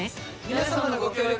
皆様のご協力